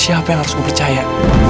siapa yang harus gue percaya